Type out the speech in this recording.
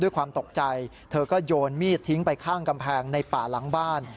ด้วยความตกใจเธอก็โยนมีดทิ้งไปข้างกำแพงในป่าหลังบ้าน